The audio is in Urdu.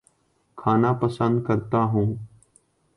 کھانا پسند کرتا ہوں